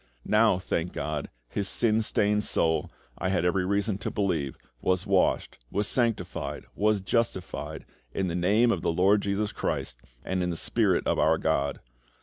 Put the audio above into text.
Now, thank GOD, his sin stained soul, I had every reason to believe, was washed, was sanctified, was justified, in the Name of the LORD JESUS CHRIST and in the SPIRIT of our GOD.